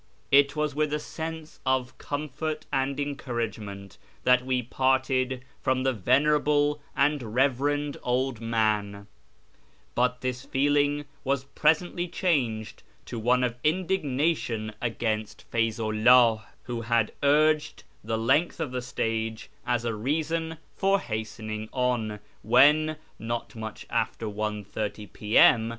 It was with a sense of comfort and encouragement that we parted from the venerable and reverend old man ; but this feeling was presently changed to one of indignation against Feyzu 'llah, who had urged the length of the stage as a reason for hastening on, when, not much after 1.30 p.m.